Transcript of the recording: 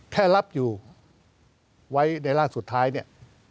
แค่รับอยู่ไว้ในร่างสุดท้ายเนี่ย